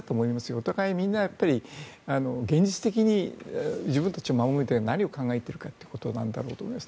お互いみんな現実的に自分たちを守りたい何を考えているのかということだと思います。